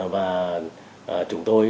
và chúng tôi